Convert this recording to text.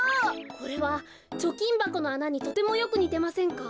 これはちょきんばこのあなにとてもよくにてませんか？